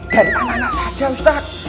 dari anak anak saja ustadz